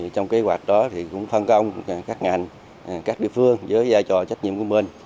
trong kế hoạch đó cũng phân công các ngành các địa phương với giai trò trách nhiệm của mình